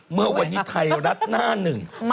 เมื่อวันนี้ไทยรัฐหน้าหนึ่ง